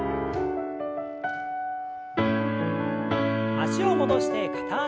脚を戻して片脚跳び。